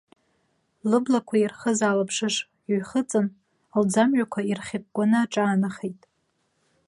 Лыблақәа ирхыз алабжыш ҩхыҵын, лӡамҩақәа ирхьыкәкәаны аҿаанахеит.